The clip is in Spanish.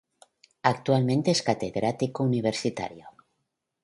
Actualmente es catedrático universitario.